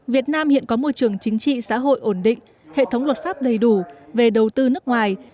việt nam hiện có môi trường chính trị xã hội ổn định hệ thống luật pháp đầy đủ về đầu tư nước ngoài